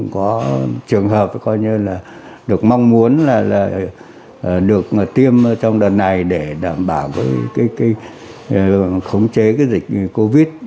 có trường hợp được mong muốn là được tiêm trong đợt này để đảm bảo với khống chế dịch covid một mươi chín